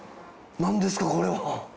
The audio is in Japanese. なんですかこれは？